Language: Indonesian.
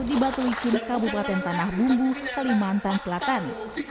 di batu licin kabupaten tanah bumbu kalimantan selatan